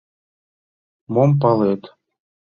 Мом палет...